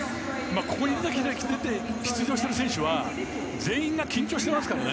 ここに出場している選手は全員が緊張してますから。